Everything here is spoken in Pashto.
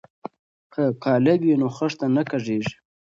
که قالب وي نو خښته نه کږیږي.